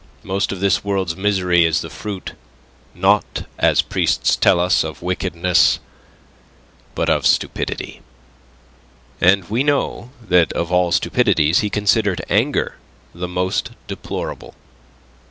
Most of this world's misery is the fruit not as priests tell us of wickedness, but of stupidity." And we know that of all stupidities he considered anger the most deplorable.